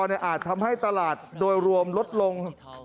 อาจทำให้ตลาดโดยรวมลดลง